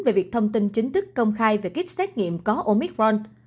về việc thông tin chính thức công khai về kích xét nghiệm có omicron